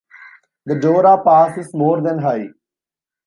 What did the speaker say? The Dorah Pass is more than high.